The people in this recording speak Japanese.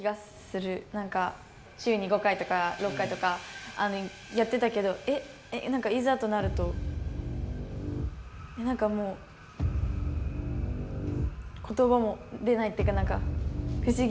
週に５回とか６回とかやってたけどえっなんかいざとなるとなんかもう言葉も出ないっていうか不思議。